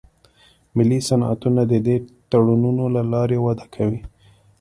ملي صنعتونه د دې تړونونو له لارې وده کوي